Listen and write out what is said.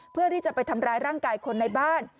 เพื่อที่จะไปทำร้ายร่างกายคนในบ้าน